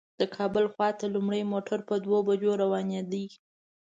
د کابل خواته لومړی موټر په دوو بجو روانېده.